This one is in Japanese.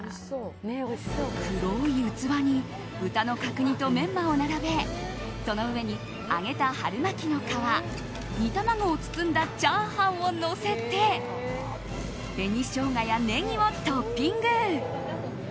黒い器に豚の角煮とメンマを並べその上に揚げた春巻きの皮煮卵を包んだチャーハンをのせて紅ショウガやネギをトッピング。